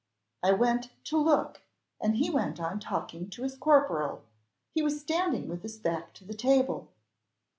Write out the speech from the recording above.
I went to look, and he went on talking to his corporal. He was standing with his back to the table."